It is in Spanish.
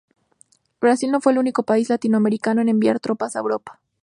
Brasil no fue el único país latinoamericano en enviar tropas a Europa.